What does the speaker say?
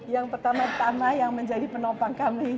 yang pertama tama yang menjadi penopang kami